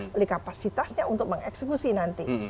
tapi kapasitasnya untuk mengeksekusi nanti